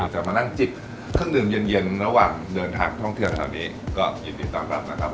ถ้ามานั่งจิบเครื่องดื่มเย็น